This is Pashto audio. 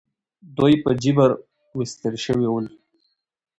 دوی په جبر ویستل شوي ول.